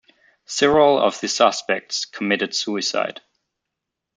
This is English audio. Several of the suspects committed suicide.